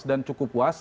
dan cukup puas